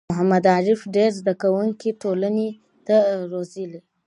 محمد عارف ډېر زده کوونکی ټولنې ته روزلي